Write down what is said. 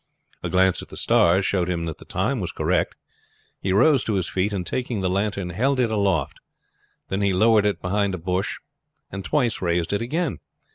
A glance at the stars showed him that the time was correct. He rose to his feet, and taking the lantern held it aloft, then he lowered it behind a bush and twice raised it again.